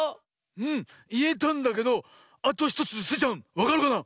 うんいえたんだけどあと１つスイちゃんわかるかな？